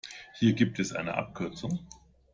Hier gibt es eine Abkürzung.